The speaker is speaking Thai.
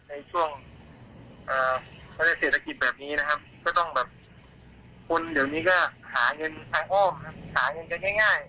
ก็ต้องแบบคนเดี๋ยวนี้ก็หาเงินทางอ้อมหาเงินก็ง่าย